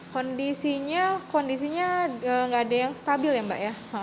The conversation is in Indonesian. kondisinya kondisinya nggak ada yang stabil ya mbak ya